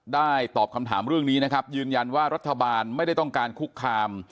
ตอบคำถามเรื่องนี้นะครับยืนยันว่ารัฐบาลไม่ได้ต้องการคุกคาม